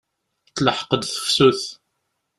Telḥeq-d tefsut.